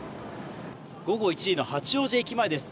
午後１時の八王子駅前です。